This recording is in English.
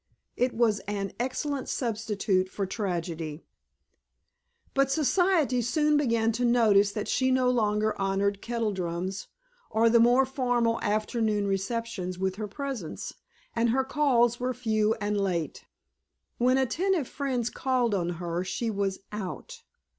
It was an excellent substitute for tragedy. But Society soon began to notice that she no longer honored kettledrums or the more formal afternoon receptions with her presence, and her calls were few and late. When attentive friends called on her she was "out."